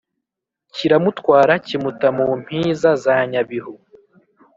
kkiramutwara kimuta mu mpiza za nyabihu!